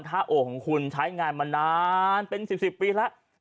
โอของคุณใช้งานมานานเป็น๑๐ปีแล้ว